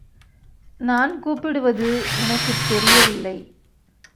நான் கூப்பிடுவது உனக்குத் தெரியவில்லை?